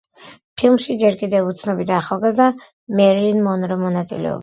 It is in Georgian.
ფილმში ჯერ კიდევ უცნობი და ახალგაზრდა მერილინ მონრო მონაწილეობდა.